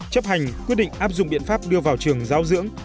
chấp hành quyết định áp dụng biện pháp đưa vào trường giáo dưỡng